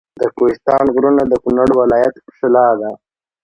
د کوهستان غرونه د کنړ ولایت ښکلا ده.